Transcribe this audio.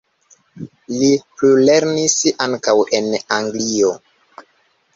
Li plulernis ankaŭ en Anglio.